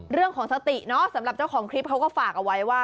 เรื่องของสติเนาะสำหรับเจ้าของคลิปเขาก็ฝากเอาไว้ว่า